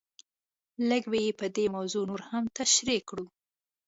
لږ به یې په دې موضوع نور هم تشریح کړو.